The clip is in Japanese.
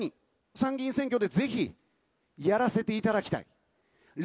参議院選挙でぜひ、やらせていただきたい。